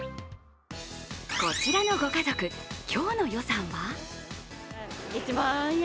こちらのご家族、今日の予算は？